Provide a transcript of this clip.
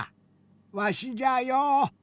わしじゃよ。